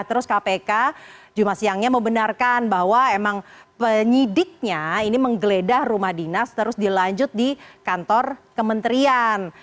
terus kpk jumat siangnya membenarkan bahwa emang penyidiknya ini menggeledah rumah dinas terus dilanjut di kantor kementerian